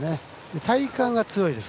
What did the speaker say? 体幹が強いんです。